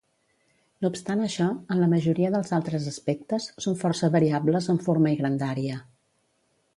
No obstant això, en la majoria dels altres aspectes, són força variables en forma i grandària.